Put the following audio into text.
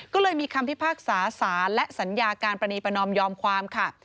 ก็เลยมีคำพิพากษาสารและสัญญาการประนีประนอมยอมความค่ะ